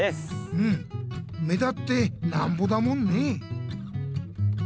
うん目立ってなんぼだもんね！